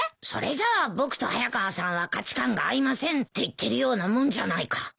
それじゃ僕と早川さんは価値観が合いませんって言ってるようなもんじゃないか。